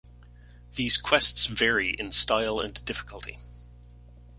These quests vary in style and difficulty.